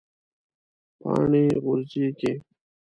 پاڼې غورځیږي